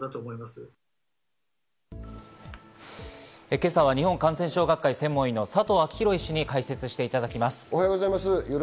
今朝は日本感染症学会専門医の佐藤昭裕医師に解説していただきます。